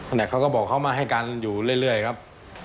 เนี่ยเขาก็บอกเขามาให้กันอยู่เรื่อยครับ